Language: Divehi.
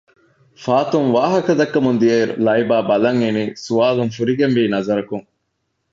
ފާތުން ވާހަކަ ދައްކަމުންދިޔައިރު ލައިބާ ބަލަންއިނީ ސުވާލުން ފުރިގެންވީ ނަޒަރަކުން